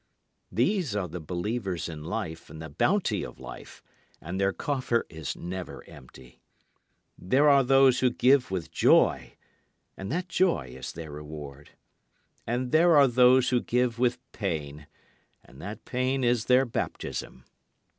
These are the believers in life and the bounty of life, and their coffer is never empty. There are those who give with joy, and that joy is their reward. And there are those who give with pain, and that pain is their baptism.